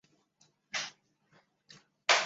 该岛使用普卡普卡语。